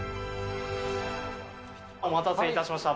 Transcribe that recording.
お待たせいたしました。